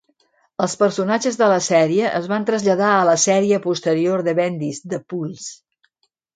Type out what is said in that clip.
Els personatges de la sèrie es van traslladar a la sèrie posterior de Bendis "The Pulse".